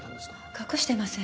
隠してません。